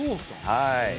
はい。